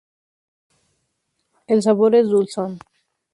El sabor es dulzón.